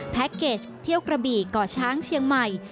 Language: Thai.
เกจเที่ยวกระบี่ก่อช้างเชียงใหม่